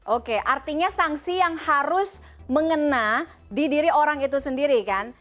oke artinya sanksi yang harus mengena di diri orang itu sendiri kan